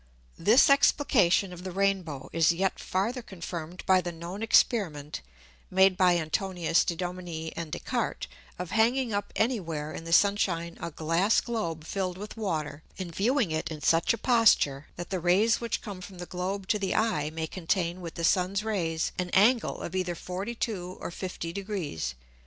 This Explication of the Rain bow is yet farther confirmed by the known Experiment (made by Antonius de Dominis and Des Cartes) of hanging up any where in the Sun shine a Glass Globe filled with Water, and viewing it in such a posture, that the Rays which come from the Globe to the Eye may contain with the Sun's Rays an Angle of either 42 or 50 Degrees.